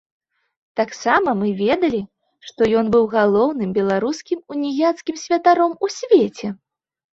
Таксама мы ведалі, што ён быў галоўным беларускім уніяцкім святаром у свеце.